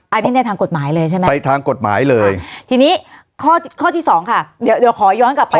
อันนี้ในทางกฎหมายเลยใช่ไหมไปทางกฎหมายเลยทีนี้ข้อข้อที่สองค่ะเดี๋ยวเดี๋ยวขอย้อนกลับไป